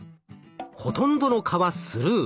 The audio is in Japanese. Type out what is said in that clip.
ほとんどの蚊はスルー。